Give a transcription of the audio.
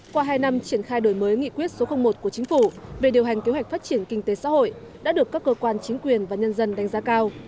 qua hai năm triển khai đổi mới nghị quyết số một của chính phủ về điều hành kế hoạch phát triển kinh tế xã hội đã được các cơ quan chính quyền và nhân dân đánh giá cao